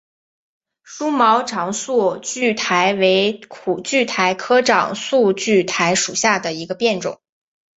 疏毛长蒴苣苔为苦苣苔科长蒴苣苔属下的一个变种。